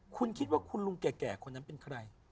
คุณคิดว่าคุณลุงแก่คนนั้นเป็นใคร